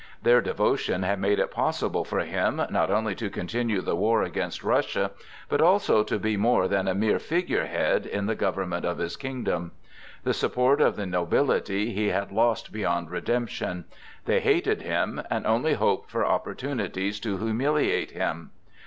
Their devotion had made it possible for him, not only to continue the war against Russia, but also to be more than a mere figure head in the government of his kingdom. The support of the nobility he had lost beyond redemption. They hated him, and only hoped for opportunities to humiliate him.